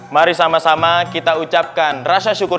mari sama sama kita ucapkan rasa syukur